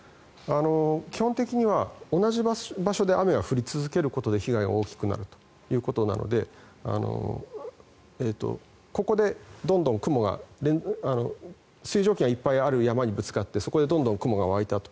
基本的には同じ場所で雨が降り続けることで被害が大きくなるということなのでここで水蒸気がいっぱいある山にぶつかってそこでどんどん雲が湧いたと。